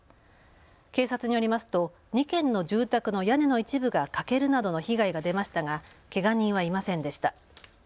警察によりますと２軒の住宅の屋根の一部が欠けるなどの被害が出ましたがけが人はいませんでした。